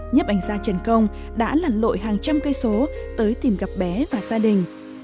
nhấp ảnh ra trần công đã lặn lội hàng trăm cây số tới tìm gặp bé và gia đình